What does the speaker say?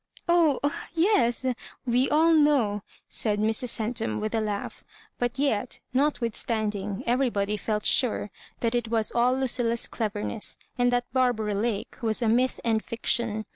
" Oh yes, we all know," said Mrs. Centum, with a laugh; but yet, not withstanding, everybody felt sure that it was all Lucilla*s devemess, and that Barbara Lake was a myth and fiction.